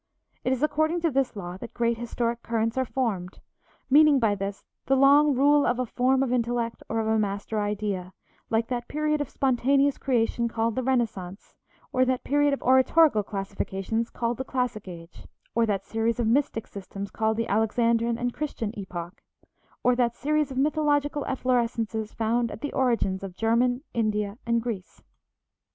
It is according to this law that great historic currents are formed, meaning by this, the long rule of a form of intellect or of a master idea, like that period of spontaneous creations called the Renaissance, or that period of oratorical classifications called the Classic Age, or that series of mystic systems called the Alexandrine and Christian epoch, or that series of mythological efflorescences found at the origins of Germany, India, and Greece.